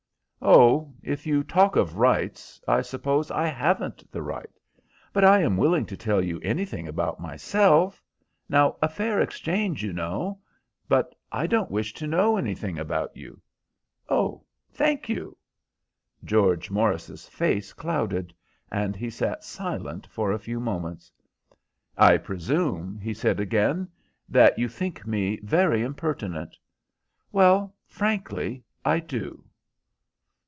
"Oh, if you talk of rights, I suppose I haven't the right. But I am willing to tell you anything about myself. Now, a fair exchange, you know—" "But I don't wish to know anything about you." "Oh, thank you." George Morris's face clouded, and he sat silent for a few moments. "I presume," he said again, "that you think me very impertinent?" "Well, frankly, I do."